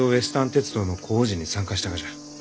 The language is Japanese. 鉄道の工事に参加したがじゃ。